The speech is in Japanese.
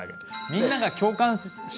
みんなが共感して。